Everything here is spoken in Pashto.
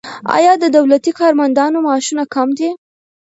آیا د دولتي کارمندانو معاشونه کم دي؟